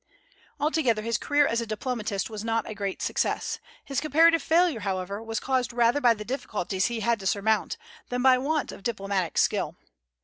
Altogether, his career as a diplomatist was not a great success; his comparative failure, however, was caused rather by the difficulties he had to surmount than by want of diplomatic skill.